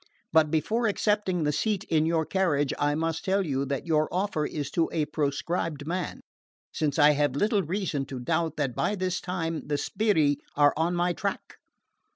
But before accepting a seat in your carriage, I must tell you that you offer it to a proscribed man; since I have little reason to doubt that by this time the sbirri are on my track."